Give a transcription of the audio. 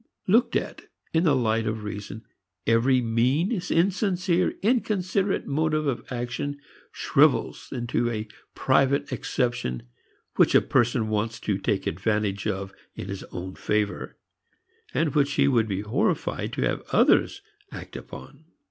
Looked at in the light of reason every mean, insincere, inconsiderate motive of action shrivels into a private exception which a person wants to take advantage of in his own favor, and which he would be horrified to have others act upon.